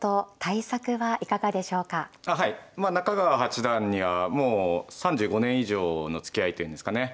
はい中川八段にはもう３５年以上のつきあいというんですかね